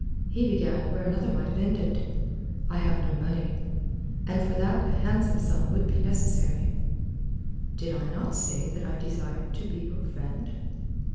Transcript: He began where another might have ended. "I have no money. And for that a handsome sum would be necessary." "Did I not say that I desired to be your friend?"